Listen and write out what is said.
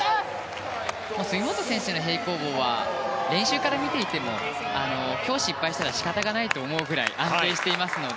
杉本選手の平行棒は練習から見ていても今日失敗したら仕方がないという面ぐらい安定していますので。